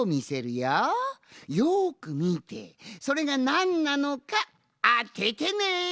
よくみてそれがなんなのかあててね。